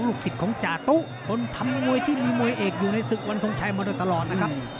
ลูกศิษย์ของจ่าตู้คนทำหมวยที่มีมวยเอกอยู่ในสึกวันสงชัยมาเถอะตลอดนะครับ